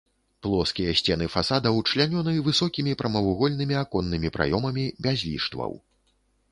Плоскія сцены фасадаў члянёны высокімі прамавугольнымі аконнымі праёмамі без ліштваў.